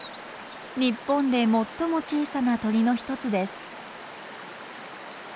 日本で最も小さな鳥の一つです。